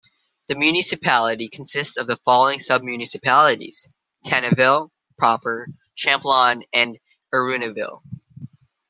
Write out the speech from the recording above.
The municipality consists of the following sub-municipalities: Tenneville proper, Champlon, and Erneuville.